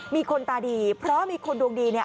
มีคนตาดีเพราะมีคนดวงดีเนี่ย